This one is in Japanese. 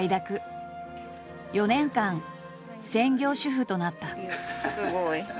４年間専業主夫となった。